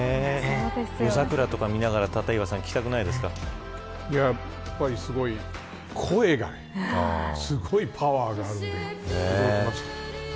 夜桜とか見ながら立岩さん、聞きたくないですかやっぱり、すごい声がねすごいパワーがあるんで。